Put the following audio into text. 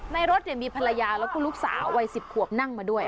ในรถมีภรรยาแล้วก็ลูกสาววัย๑๐ขวบนั่งมาด้วย